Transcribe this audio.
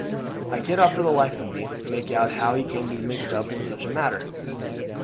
"I cannot for the life of me make out how he came to be mixed up in such a matter.